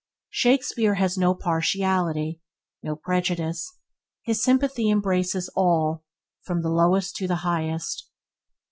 Shakespeare has no partiality, no prejudice; his sympathy embraces all, from the lowest to the highest.